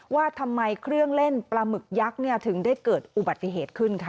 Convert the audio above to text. ว่าทำไมเครื่องเล่นปลาหมึกยักษ์ถึงได้เกิดอุบัติเหตุขึ้นค่ะ